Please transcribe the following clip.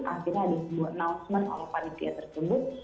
akhirnya ada sebuah announcement oleh panitia tersebut